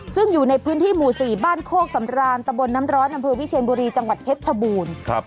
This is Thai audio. ซึ่งอยู่ในพื้นที่หมู่๔บ้านโคกสำรานตะบนน้ำร้อนอำเภอวิเชียนบุรีจังหวัดเพชรชบูรณ์